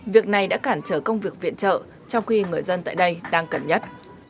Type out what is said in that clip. việc này đã cản trở công việc viện trợ trong khi người dân tại đây đang cẩn nhất